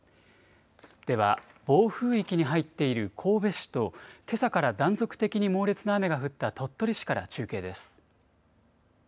では暴風域に入っている神戸市と、けさから断続的に猛烈な雨が降った鳥取市から中継です。